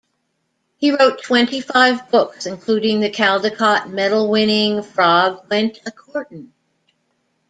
He wrote twenty-five books, including the Caldecott Medal-winning "Frog Went A-Courtin'".